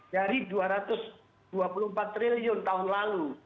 dari dua ratus dua puluh empat triliun tahun lalu